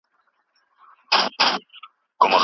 زه به سبا مځکي ته وګورم.